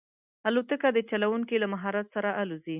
الوتکه د چلونکي له مهارت سره الوزي.